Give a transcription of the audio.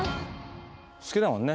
好きだもんね